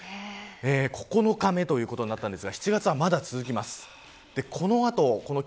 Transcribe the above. ９日目ということになりましたが７月はまだ続きます。